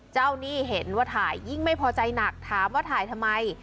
หนี้เห็นว่าถ่ายยิ่งไม่พอใจหนักถามว่าถ่ายทำไม